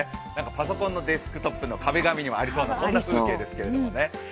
パソコンのデスクトップの壁紙にもありそうな、そんな風景ですけれどもね。